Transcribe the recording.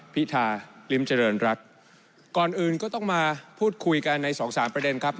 พิธาริมเจริญรัฐก่อนอื่นก็ต้องมาพูดคุยกันในสองสามประเด็นครับ